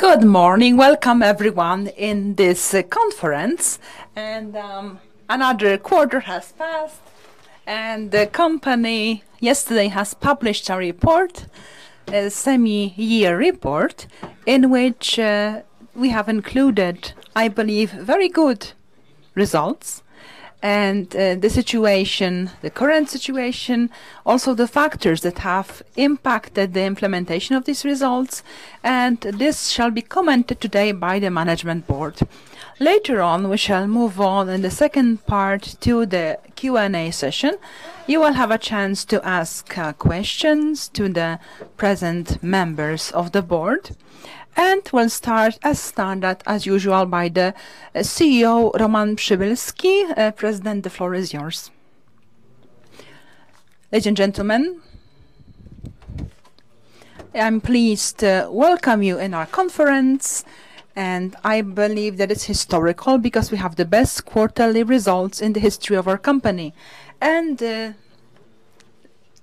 Good morning. Welcome, everyone, in this conference. Another quarter has passed, the company yesterday has published a report, a semi-year report, in which we have included, I believe, very good results and the current situation, also the factors that have impacted the implementation of these results. This shall be commented today by the management board. Later on, we shall move on in the second part to the Q&A session. You will have a chance to ask questions to the present members of the board. We'll start as standard, as usual, by the CEO, Roman Przybylski. President, the floor is yours. Ladies and gentlemen, I'm pleased to welcome you in our conference, I believe that it's historical because we have the best quarterly results in the history of our company,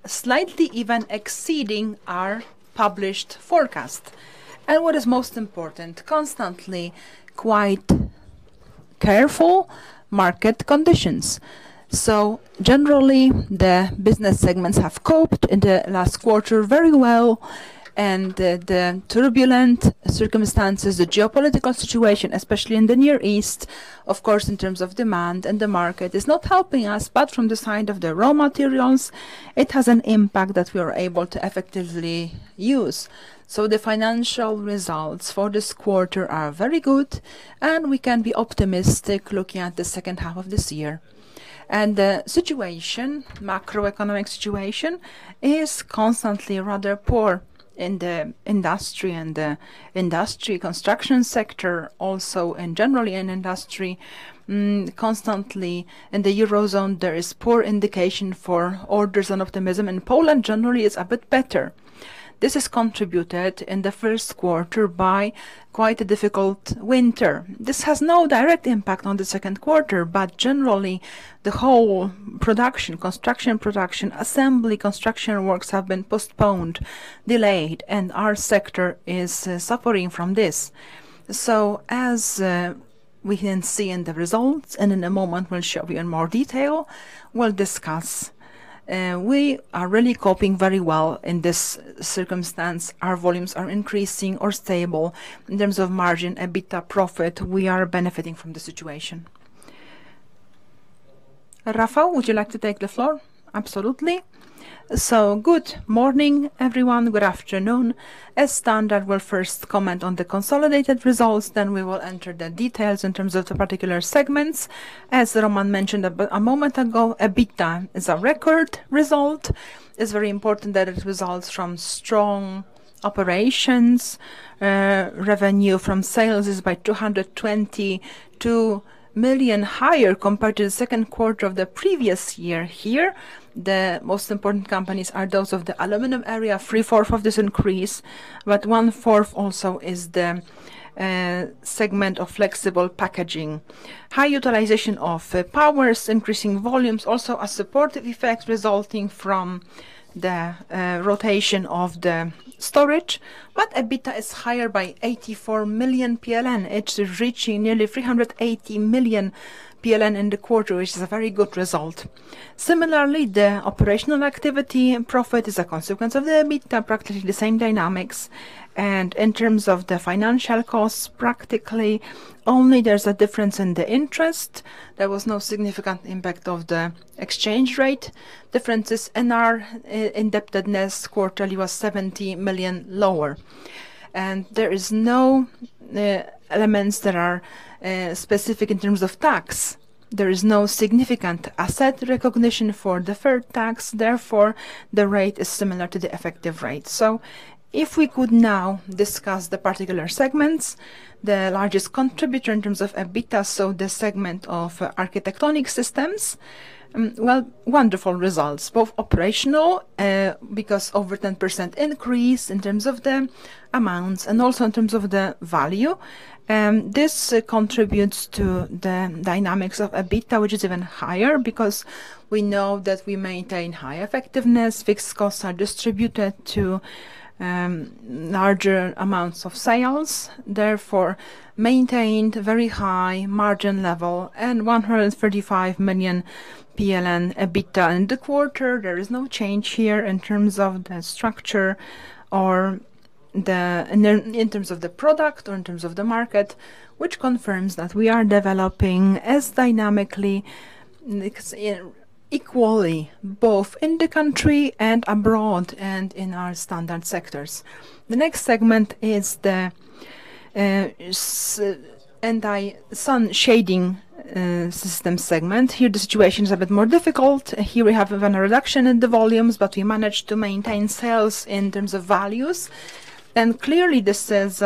slightly even exceeding our published forecast. What is most important, constantly quite careful market conditions. Generally, the business segments have coped in the last quarter very well and the turbulent circumstances, the geopolitical situation, especially in the Middle East, of course, in terms of demand and the market is not helping us, but from the side of the raw materials, it has an impact that we are able to effectively use. The financial results for this quarter are very good and we can be optimistic looking at the second half of this year. The macroeconomic situation is constantly rather poor in the industry and the industry construction sector also and generally in industry. Constantly in the Eurozone, there is poor indication for orders and optimism. In Poland, generally, it's a bit better. This is contributed in the first quarter by quite a difficult winter. This has no direct impact on the second quarter, but generally, the whole production, construction production, assembly construction works have been postponed, delayed, and our sector is suffering from this. As we can see in the results, and in a moment we'll show you in more detail, we'll discuss. We are really coping very well in this circumstance. Our volumes are increasing or stable in terms of margin, EBITDA profit, we are benefiting from the situation. Rafał, would you like to take the floor? Absolutely. Good morning, everyone. Good afternoon. As standard, we'll first comment on the consolidated results, then we will enter the details in terms of the particular segments. As Roman mentioned a moment ago, EBITDA is a record result. It's very important that it results from strong operations. Revenue from sales is by 222 million higher compared to the second quarter of the previous year here. The most important companies are those of the aluminum area, three-fourth of this increase, but one-fourth also is the Flexible Packaging Segment. High utilization of power is increasing volumes, also a supportive effect resulting from the rotation of the storage. EBITDA is higher by 84 million PLN. It's reaching nearly 380 million PLN in the quarter, which is a very good result. Similarly, the operational activity profit is a consequence of the EBITDA, practically the same dynamics. In terms of the financial costs, practically only there's a difference in the interest. There was no significant impact of the exchange rate differences, and our indebtedness quarterly was 70 million lower. There is no elements that are specific in terms of tax. There is no significant asset recognition for deferred tax, therefore, the rate is similar to the effective rate. If we could now discuss the particular segments, the largest contributor in terms of EBITDA, the segment of Architectural Systems. Well, wonderful results, both operational, because over 10% increase in terms of the amounts and also in terms of the value. This contributes to the dynamics of EBITDA, which is even higher because we know that we maintain high effectiveness. Fixed costs are distributed to larger amounts of sales, therefore, maintained very high margin level and 135 million PLN EBITDA in the quarter. There is no change here in terms of the structure or in terms of the product or in terms of the market, which confirms that we are developing as dynamically, equally, both in the country and abroad and in our standard sectors. The next segment is the anti-Sun Shadings system segment. Here, the situation is a bit more difficult. Here, we have a reduction in the volumes, but we managed to maintain sales in terms of values. Clearly, this is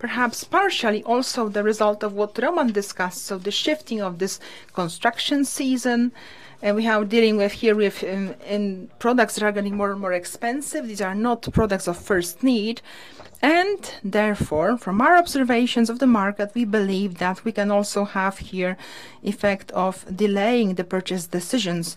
perhaps partially also the result of what Roman discussed, the shifting of this construction season. We are dealing here with products that are getting more and more expensive. These are not products of first need, and therefore, from our observations of the market, we believe that we can also have here effect of delaying the purchase decisions.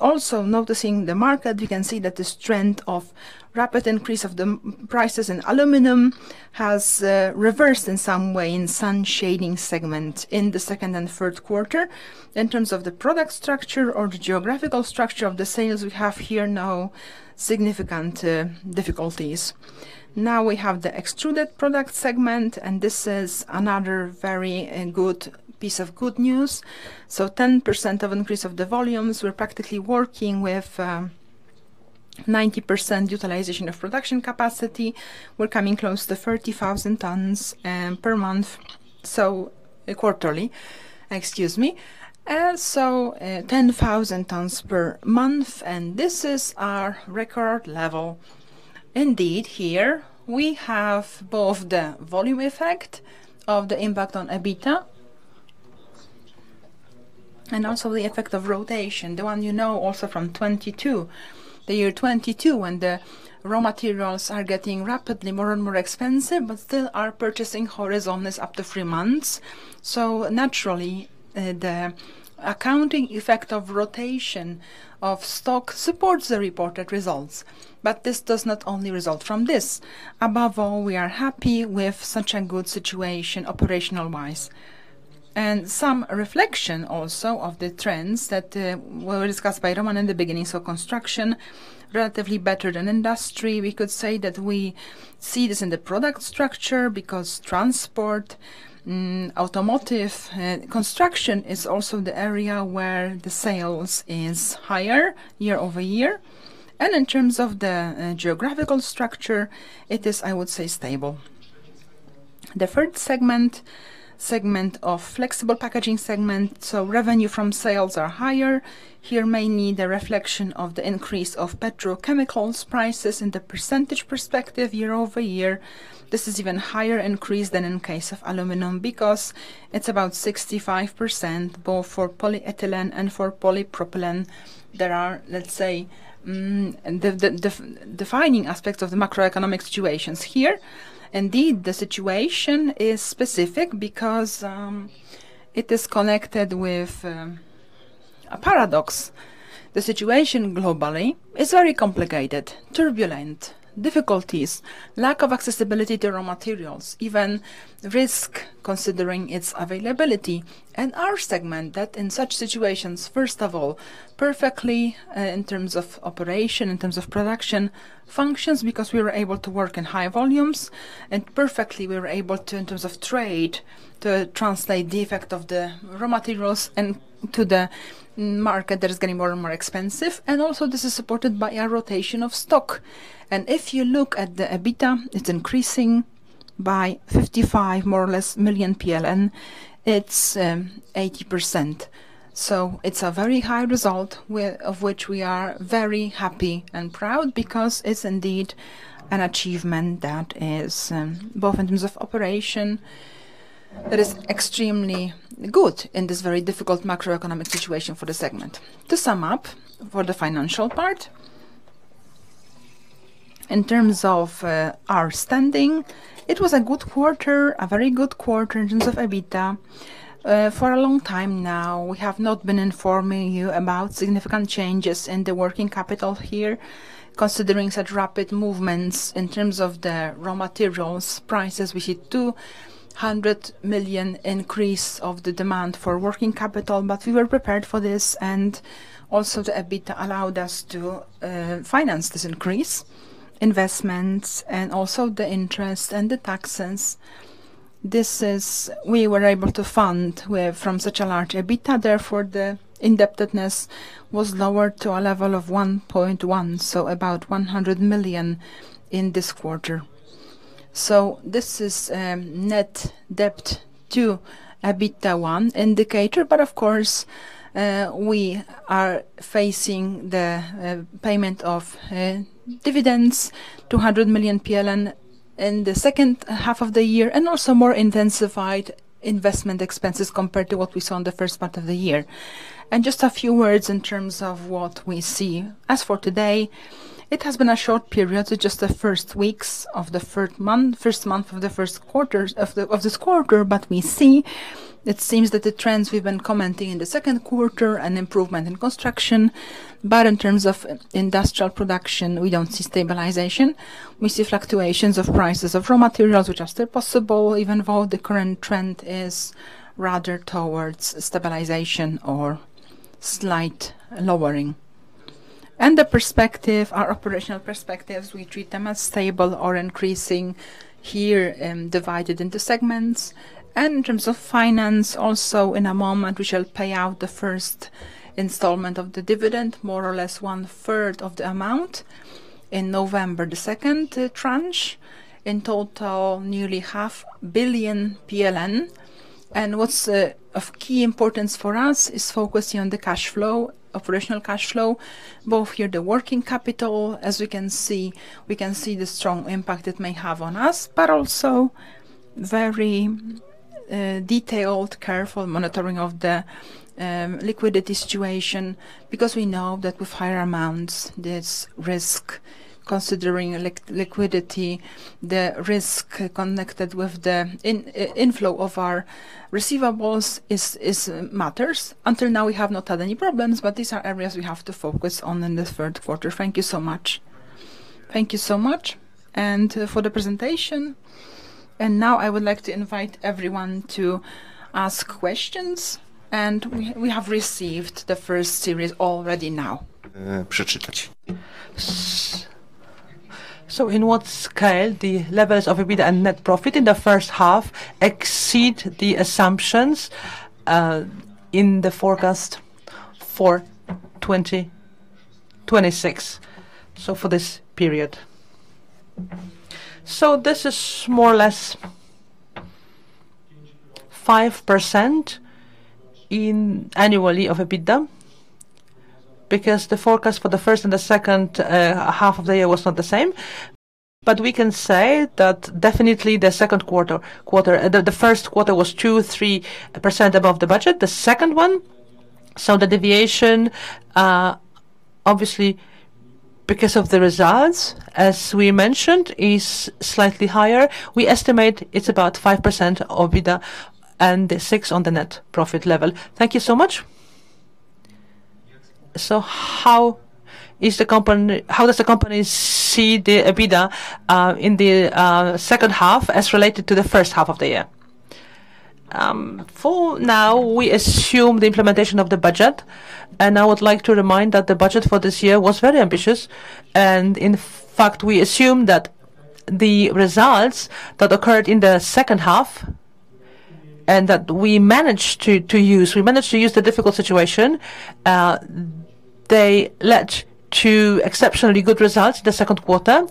Also noticing the market, we can see that this trend of rapid increase of the prices in aluminum has reversed in some way in Sun Shadings segment in the second and third quarter. In terms of the product structure or the geographical structure of the sales, we have here no significant difficulties. We have the Extruded Products Segment, and this is another very good piece of good news. 10% of increase of the volumes. We're practically working with 90% utilization of production capacity. We're coming close to 30,000 tons per month, quarterly. 10,000 tons per month, and this is our record level. Indeed, here we have both the volume effect of the impact on EBITDA, and also the effect of rotation. The one you know also from 2022, the year 2022, when the raw materials are getting rapidly more and more expensive, but still our purchasing horizon is up to three months. Naturally, the accounting effect of rotation of stock supports the reported results. This does not only result from this. Above all, we are happy with such a good situation operational-wise. Some reflection also of the trends that were discussed by Roman in the beginning. Construction, relatively better than industry. We could say that we see this in the product structure because transport, automotive, construction is also the area where the sales is higher year-over-year. In terms of the geographical structure, it is, I would say, stable. The third segment, Flexible Packaging Segment, revenue from sales are higher. Here, mainly the reflection of the increase of petrochemicals prices in the percentage perspective year-over-year. This is even higher increase than in case of aluminum, because it's about 65%, both for polyethylene and for polypropylene. There are, let's say, the defining aspects of the macroeconomic situations here. Indeed, the situation is specific because it is connected with a paradox. The situation globally is very complicated, turbulent, difficulties, lack of accessibility to raw materials, even risk considering its availability. Our segment that in such situations, first of all, perfectly, in terms of operation, in terms of production, functions because we were able to work in high volumes. Perfectly, we were able to, in terms of trade, to translate the effect of the raw materials and to the market that is getting more and more expensive. Also, this is supported by a rotation of stock. If you look at the EBITDA, it's increasing by 55 more or less, million. It's 80%. It's a very high result, of which we are very happy and proud because it's indeed an achievement that is, both in terms of operation, that is extremely good in this very difficult macroeconomic situation for the segment. To sum up for the financial part, in terms of our standing, it was a good quarter, a very good quarter in terms of EBITDA. For a long time now, we have not been informing you about significant changes in the working capital here, considering such rapid movements in terms of the raw materials prices. We see 200 million increase of the demand for working capital, but we were prepared for this, and also the EBITDA allowed us to finance this increase, investments and also the interest and the taxes. We were able to fund from such a large EBITDA. Therefore, the indebtedness was lowered to a level of 1.1, so about 100 million in this quarter. This is net debt to EBITDA one indicator. Of course, we are facing the payment of dividends, 200 million PLN in the second half of the year, and also more intensified investment expenses compared to what we saw in the first part of the year. Just a few words in terms of what we see. As for today, it has been a short period, so just the first weeks of the first month of this quarter. We see, it seems that the trends we've been commenting in the second quarter, an improvement in construction. In terms of industrial production, we don't see stabilization. We see fluctuations of prices of raw materials, which are still possible, even though the current trend is rather towards stabilization or slight lowering. The perspective, our operational perspectives, we treat them as stable or increasing here, divided into segments. In terms of finance, also, in a moment, we shall pay out the first installment of the dividend, more or less 1/3 of the amount, in November the second tranche. In total, nearly half billion PLN. What's of key importance for us is focusing on the cash flow, operational cash flow, both here the working capital, as we can see the strong impact it may have on us, but also very Detailed, careful monitoring of the liquidity situation, because we know that with higher amounts, there's risk considering liquidity. The risk connected with the inflow of our receivables matters. Until now, we have not had any problems, but these are areas we have to focus on in the third quarter. Thank you so much. Thank you so much for the presentation. Now I would like to invite everyone to ask questions. We have received the first series already now. In what scale the levels of EBITDA and net profit in the first half exceed the assumptions in the forecast for 2026? For this period. This is more or less 5% annually of EBITDA, because the forecast for the first and the second half of the year was not the same. We can say that definitely the first quarter was 2%, 3% above the budget. The second one, the deviation, obviously, because of the results, as we mentioned, is slightly higher. We estimate it's about 5% of EBITDA and six on the net profit level. Thank you so much. How does the company see the EBITDA in the second half as related to the first half of the year? For now, we assume the implementation of the budget. I would like to remind that the budget for this year was very ambitious. In fact, we assume that the results that occurred in the second half and that we managed to use the difficult situation, they led to exceptionally good results the second quarter.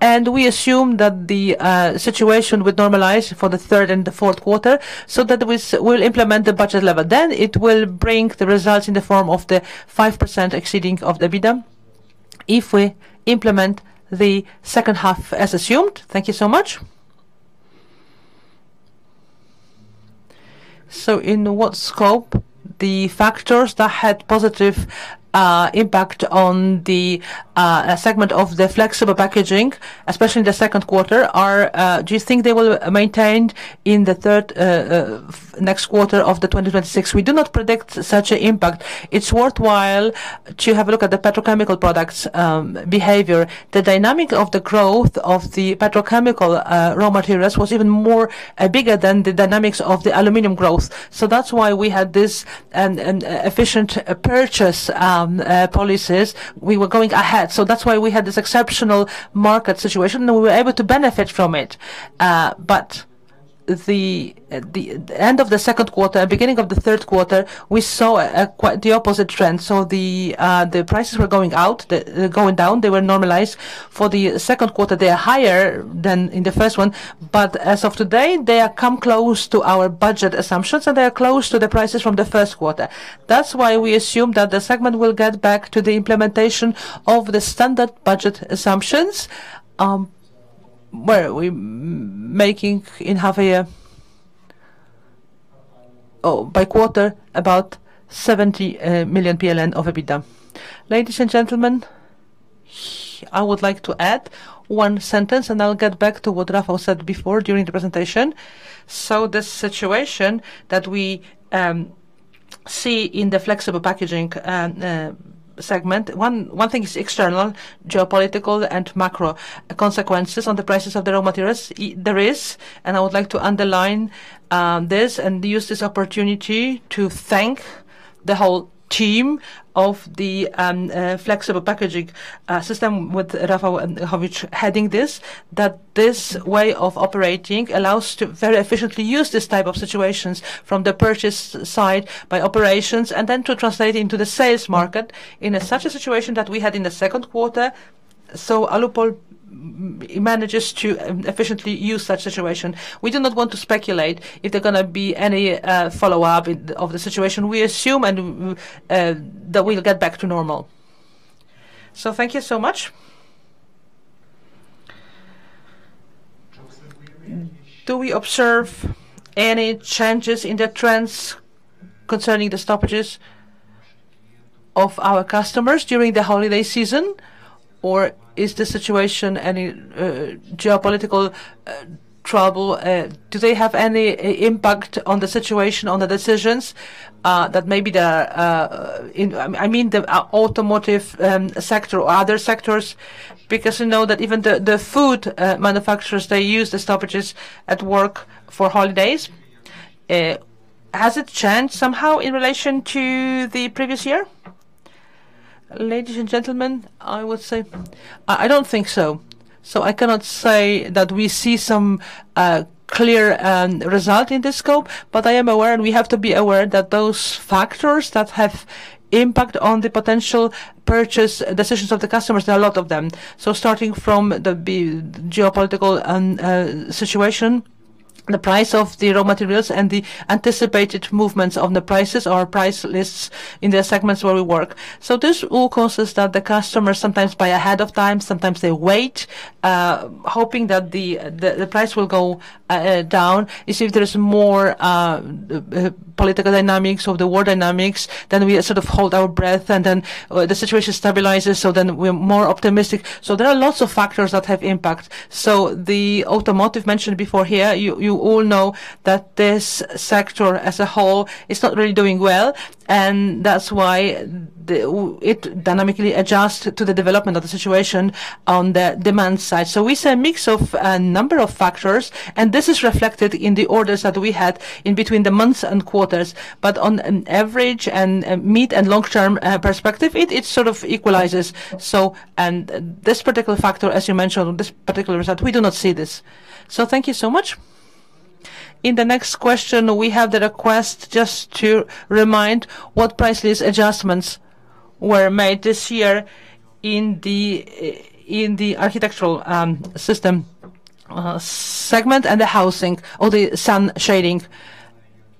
We assume that the situation would normalize for the third and the fourth quarter, so that we'll implement the budget level. It will bring the results in the form of the 5% exceeding of the EBITDA, if we implement the second half as assumed. Thank you so much. In what scope the factors that had positive impact on the Flexible Packaging Segment, especially in the second quarter, do you think they will maintain in the next quarter of 2026? We do not predict such impact. It's worthwhile to have a look at the petrochemical products behavior. The dynamic of the growth of the petrochemical raw materials was even more bigger than the dynamics of the aluminum growth. That's why we had this efficient purchase policies. We were going ahead. That's why we had this exceptional market situation, and we were able to benefit from it. The end of the second quarter, beginning of the third quarter, we saw the opposite trend. The prices were going down. They were normalized. For the second quarter, they are higher than in the first one. As of today, they come close to our budget assumptions, and they are close to the prices from the first quarter. That's why we assume that the segment will get back to the implementation of the standard budget assumptions, where we're making, by quarter, about 70 million PLN of EBITDA. Ladies and gentlemen, I would like to add one sentence, and I'll get back to what Rafał said before during the presentation. The situation that we see in the Flexible Packaging Segment, one thing is external, geopolitical and macro consequences on the prices of the raw materials. There is, and I would like to underline this and use this opportunity to thank the whole team of the Flexible Packaging Segment with Rafał Hadyś, that this way of operating allows to very efficiently use this type of situations from the purchase side by operations and then to translate into the sales market in such a situation that we had in the second quarter. Alupol manages to efficiently use such situation. We do not want to speculate if there are going to be any follow-up of the situation. We assume that we'll get back to normal. Thank you so much. Do we observe any changes in the trends concerning the stoppages of our customers during the holiday season? Or is the situation any geopolitical trouble? Do they have any impact on the situation, on the decisions that maybe the I mean the automotive sector or other sectors, because you know that even the food manufacturers, they use the stoppages at work for holidays. Has it changed somehow in relation to the previous year? Ladies and gentlemen, I would say I don't think so. I cannot say that we see some clear result in this scope, but I am aware and we have to be aware that those factors that have impact on the potential purchase decisions of the customers, there are a lot of them. Starting from the geopolitical situation. The price of the raw materials and the anticipated movements of the prices or price lists in the segments where we work. This all causes that the customers sometimes buy ahead of time. Sometimes they wait, hoping that the price will go down. You see if there's more political dynamics or the war dynamics, then we sort of hold our breath, and then the situation stabilizes, so then we're more optimistic. There are lots of factors that have impact. The automotive mentioned before here, you all know that this sector as a whole is not really doing well, and that's why it dynamically adjusts to the development of the situation on the demand side. We see a mix of a number of factors, and this is reflected in the orders that we had in between the months and quarters. On an average and mid and long-term perspective, it sort of equalizes. This particular factor, as you mentioned, this particular result, we do not see this. Thank you so much. In the next question, we have the request just to remind what price list adjustments were made this year in the Architectural Systems Segment and the housing or the Sun Shadings.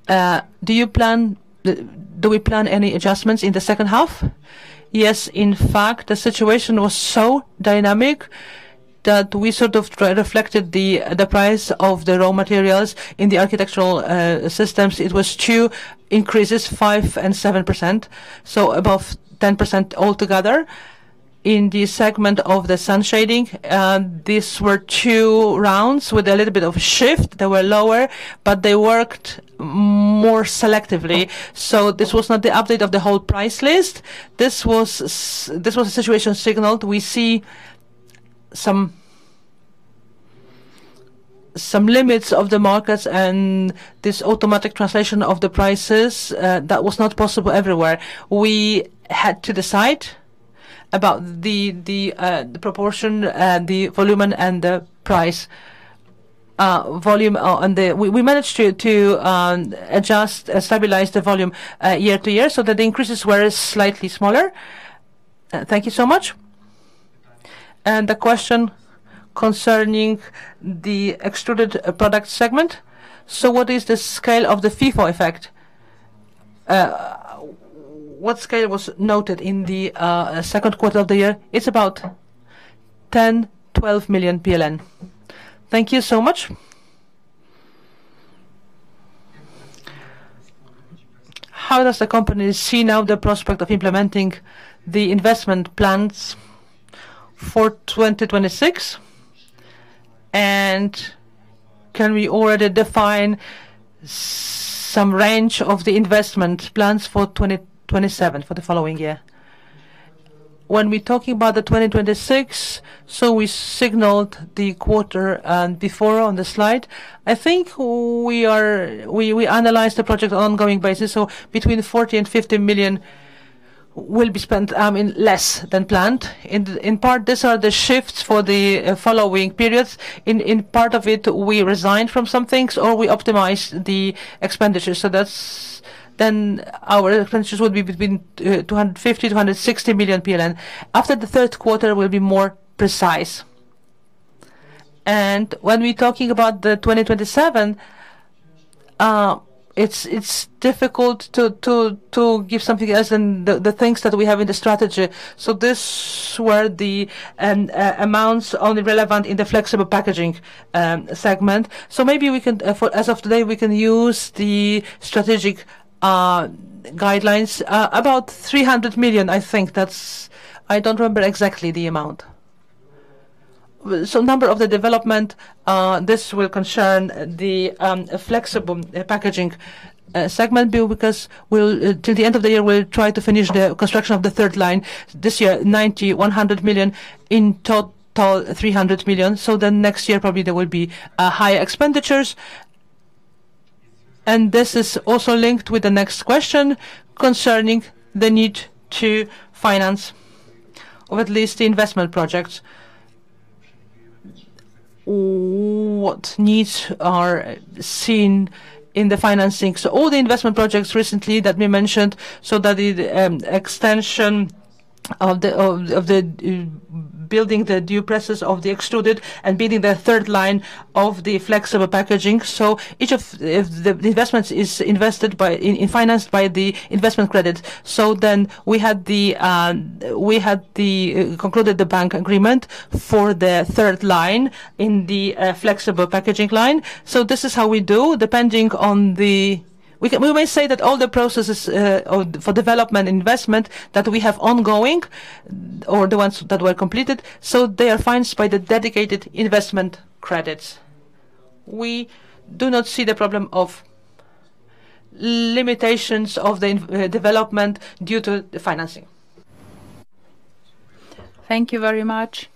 Do we plan any adjustments in the second half? Yes, in fact, the situation was so dynamic that we sort of reflected the price of the raw materials in the Architectural Systems. It was two increases, 5% and 7%, so above 10% altogether. In the segment of the Sun Shadings, these were two rounds with a little bit of a shift. They were lower, but they worked more selectively. This was not the update of the whole price list. This was a situation signaled. We see some limits of the markets and this automatic translation of the prices, that was not possible everywhere. We had to decide about the proportion, the volume, and the price volume. We managed to adjust, stabilize the volume year-to-year so that the increases were slightly smaller. Thank you so much. The question concerning the Extruded Products Segment. What is the scale of the FIFO effect? What scale was noted in the second quarter of the year? It's about 10 million, 12 million PLN. Thank you so much. How does the company see now the prospect of implementing the investment plans for 2026? Can we already define some range of the investment plans for 2027, for the following year? When we're talking about 2026, we signaled the quarter before on the slide. I think we analyzed the project on an ongoing basis. Between 40 million and 50 million will be spent, I mean, less than planned. In part, these are the shifts for the following periods. In part, we resigned from some things, or we optimized the expenditure. Our expenses would be between 250 million-260 million PLN. After the third quarter, we'll be more precise. When we're talking about 2027, it's difficult to give something else than the things that we have in the strategy. These were the amounts only relevant in the Flexible Packaging Segment. Maybe as of today, we can use the strategic guidelines. About 300 million, I think. I don't remember exactly the amount. The number of the development, this will concern the Flexible Packaging Segment build, because until the end of the year, we'll try to finish the construction of the third line. This year, 90 million, 100 million. In total, 300 million. Next year, probably there will be higher expenditures. This is also linked with the next question concerning the need to finance, or at least the investment projects. What needs are seen in the financing? All the investment projects recently that we mentioned, that extension of building the new presses of the Extruded Products Segment and building the third line of the Flexible Packaging Segment. Each of the investments is financed by the investment credit. We had concluded the bank agreement for the third line in the Flexible Packaging Segment. This is how we do, depending on the We may say that all the processes for development investment that we have ongoing, or the ones that were completed, they are financed by the dedicated investment credits. We do not see the problem of limitations of the development due to the financing. Thank you very much.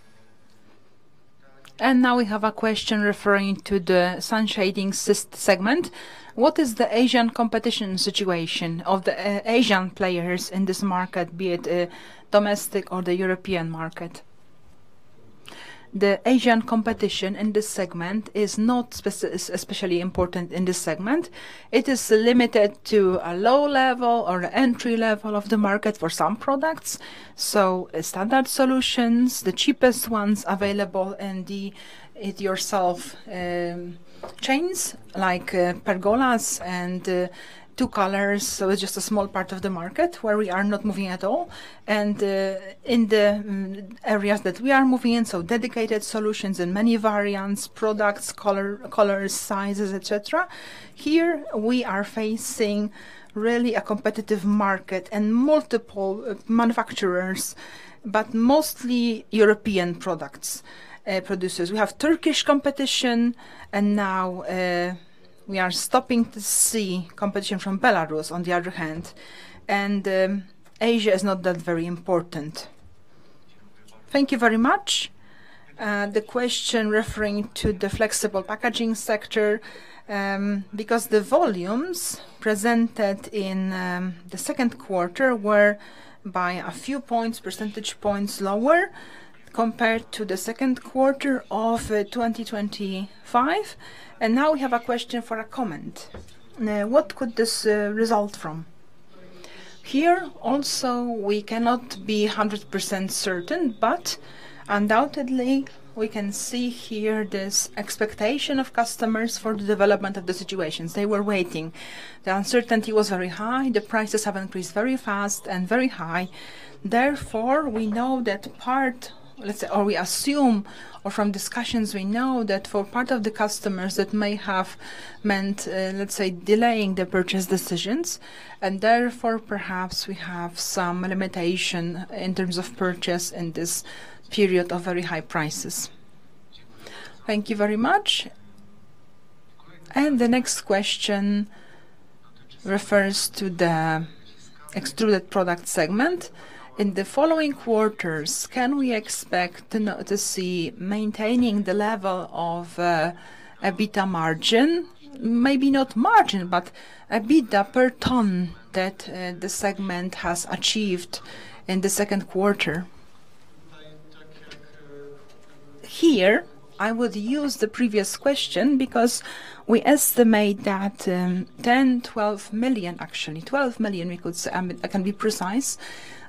Now we have a question referring to the Sun Shadings segment. What is the Asian competition situation of the Asian players in this market, be it domestic or the European market? The Asian competition in this segment is not especially important in this segment. It is limited to a low level or entry level of the market for some products. Standard solutions, the cheapest ones available in the DIY chains, like pergolas and [Two-Colors]. It is just a small part of the market where we are not moving at all. In the areas that we are moving in, so dedicated solutions and many variants, products, colors, sizes, et cetera. Here we are facing really a competitive market and multiple manufacturers, but mostly European producers. We have Turkish competition and now we are stopping to see competition from Belarus on the other hand, and Asia is not that very important. Thank you very much. The question referring to the Flexible Packaging Segment, because the volumes presented in the second quarter were by a few points, percentage points, lower compared to the second quarter of 2025. Now we have a question for a comment. What could this result from? Here also, we cannot be 100% certain, but undoubtedly we can see here this expectation of customers for the development of the situations. They were waiting. The uncertainty was very high. The prices have increased very fast and very high. We know that part, or we assume, or from discussions we know that for part of the customers, that may have meant, let's say, delaying the purchase decisions, and therefore perhaps we have some limitation in terms of purchase in this period of very high prices. Thank you very much. The next question refers to the Extruded Products Segment. In the following quarters, can we expect to see maintaining the level of EBITDA margin? Maybe not margin, but EBITDA per ton that the segment has achieved in the second quarter. Here, I would use the previous question because we estimate that 10 million, 12 million, actually 12 million we could say, I can be precise,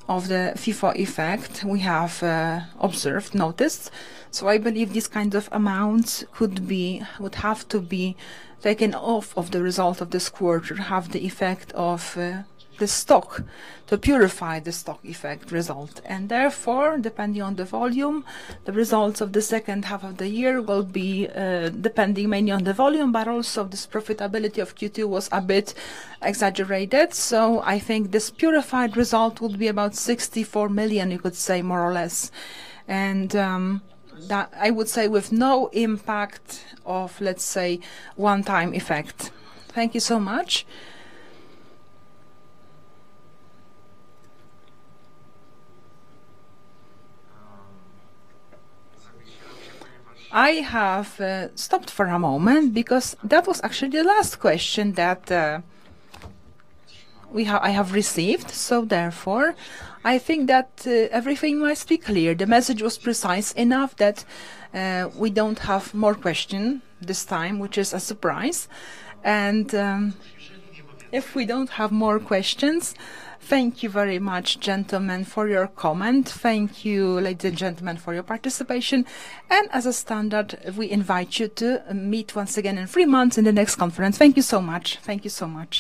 of the FIFO effect we have observed, noticed. I believe this kind of amount would have to be taken off of the result of this quarter, have the effect of the stock to purify the stock effect result. Therefore, depending on the volume, the results of the second half of the year will be depending mainly on the volume, but also this profitability of Q2 was a bit exaggerated. I think this purified result would be about 64 million, you could say, more or less. I would say with no impact of, let's say, one-time effect. Thank you so much. I have stopped for a moment because that was actually the last question that I have received. Therefore, I think that everything must be clear. The message was precise enough that we don't have more question this time, which is a surprise. If we don't have more questions, thank you very much, gentlemen, for your comment. Thank you, ladies and gentlemen, for your participation. As a standard, we invite you to meet once again in three months in the next conference. Thank you so much. Thank you so much.